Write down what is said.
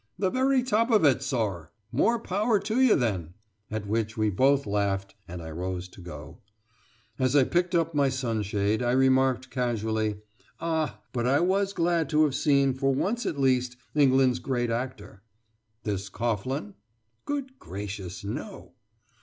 "The very top of it, sor!" "More power to you then!" at which we both laughed, and I rose to go. As I picked up my sunshade, I remarked casually: "Ah, but I was glad to have seen, for once at least, England's great actor." "This Coghlan?" "Good gracious, no!"